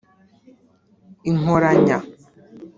inkoranya